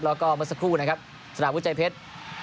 แล้วก็เมื่อสักครู่นะครับสารวุฒิใจเพชร